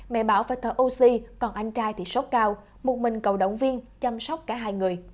mẹ bảo phải thở oxy còn anh trai thì sốc cao một mình cầu động viên chăm sóc cả hai người